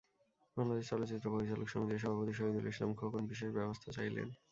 বাংলাদেশ চলচ্চিত্র পরিচালক সমিতির সভাপতি শহীদুল ইসলাম খোকন বিশেষ ব্যবস্থা চাইলেন।